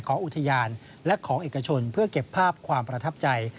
อุทยานและของเอกชนเพื่อเก็บภาพความประทับใจ